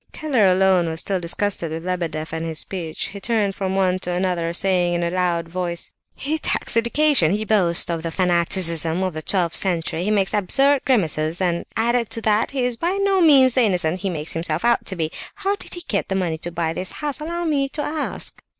Keller alone was still disgusted with Lebedeff and his speech; he turned from one to another, saying in a loud voice: "He attacks education, he boasts of the fanaticism of the twelfth century, he makes absurd grimaces, and added to that he is by no means the innocent he makes himself out to be. How did he get the money to buy this house, allow me to ask?"